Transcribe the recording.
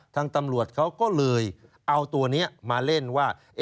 ทางตำรวจเขาก็เลยเอาตัวนี้มาเล่นว่า